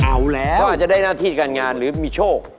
เอาแล้วเขาอาจจะได้หน้าที่การงานหรือมีโชค